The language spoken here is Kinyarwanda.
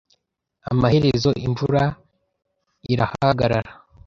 Amaherezo, imvura irahagarara.